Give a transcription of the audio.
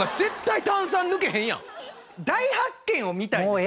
大発見を見たいんです。